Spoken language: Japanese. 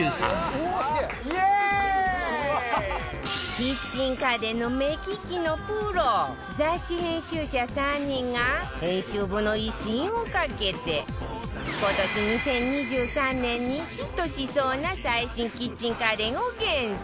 キッチン家電の目利きのプロ雑誌編集者３人が編集部の威信を懸けて今年２０２３年にヒットしそうな最新キッチン家電を厳選